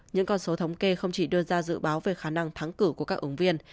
những con số thống kê không chỉ đưa ra dự báo về khả năng thắng cử của các ứng viên